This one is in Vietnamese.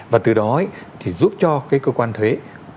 và từ đó thì giúp cho cái cơ quan thuế